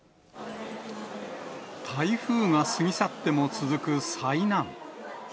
台風が過ぎ去っても続く災難。